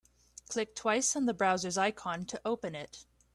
Click twice on the browser's icon to open it.